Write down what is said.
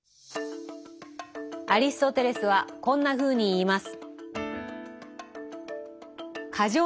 アリストテレスはこんなふうに言います。